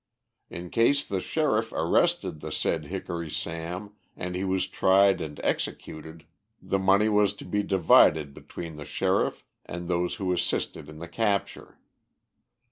In case the Sheriff arrested the said Hickory Sam and he was tried and executed, the money was to be divided between the Sheriff and those who assisted in the capture.